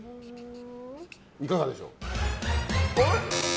いかがでしょう？